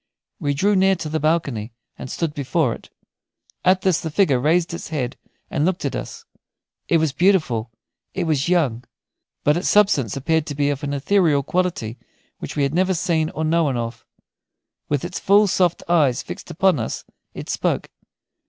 We drew near to the balcony and stood before it. At this the figure raised its head and looked at us. It was beautiful, it was young; but its substance seemed to be of an ethereal quality which we had never seen or known of. With its full, soft eyes fixed upon us, it spoke.